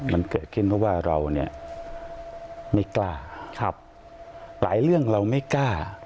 มันเกิดขึ้นเพราะว่าเราเนี่ยไม่กล้าครับหลายเรื่องเราไม่กล้า